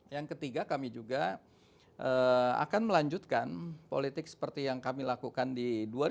yang ketiga kami juga akan melanjutkan politik seperti yang kami lakukan di dua ribu dua puluh